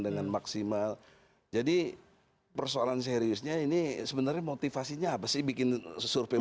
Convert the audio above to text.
dengan maksimal jadi persoalan seriusnya ini sebenarnya motivasinya apa sih bikin survei